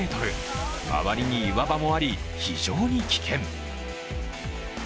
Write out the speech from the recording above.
周りに岩場もあり、非常に危険。